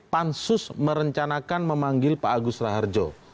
pansus merencanakan memanggil pak agus raharjo